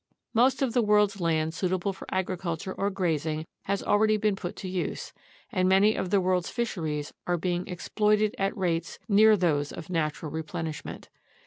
Most of the world's land suitable for agriculture or grazing has already been put to use, and many of the world's fisheries are being exploited at rates near those of natural re plenishment.